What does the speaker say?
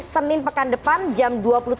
senin pekan depan jam dua puluh tiga